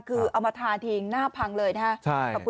คือเอามาทาทิ้งหน้าพังเลยนะครับ